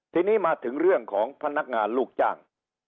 ทีนี้มาถึงเรื่องของพนักงานลูกจ้าง